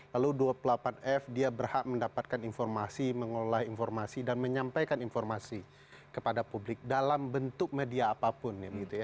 lalu dua puluh delapan f dia berhak mendapatkan informasi mengolah informasi dan menyampaikan informasi kepada publik dalam bentuk media apapun